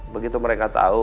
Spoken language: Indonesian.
begitu mereka tau